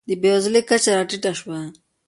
د بېوزلۍ کچه راټیټه شوه.